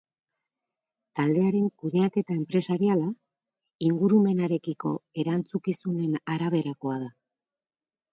Taldearen kudeaketa enpresariala ingurumenarekiko erantzukizunen araberakoa da.